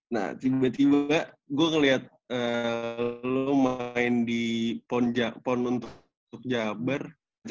nah tiba tiba gue ngeliat lo main di pon untuk jabar